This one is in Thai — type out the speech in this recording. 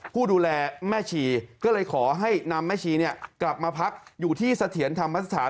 ผู้ดูแลแม่ชีก็เลยขอให้นำแม่ชีกลับมาพักอยู่ที่เสถียรธรรมสถาน